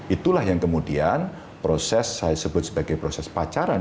itulah yang kemudian proses saya sebut sebagai proses pacaran